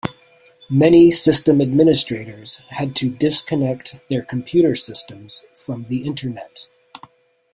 Many system administrators had to disconnect their computer systems from the Internet.